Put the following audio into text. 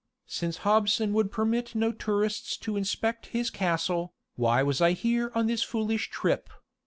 Since Hobson would permit no tourists to inspect his castle, why was I here on this foolish trip?